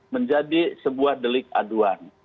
menjadi sebuah delik aduan